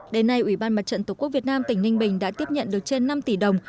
đến nay ủy ban mặt trận tổ quốc việt nam tỉnh ninh bình đã tiếp nhận được trên năm tỷ đồng